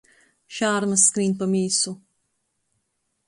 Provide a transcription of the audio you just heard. Šārmys skrīn pa mīsu.